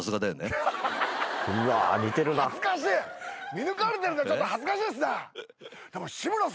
見抜かれてるんでちょっと恥ずかしいっすね。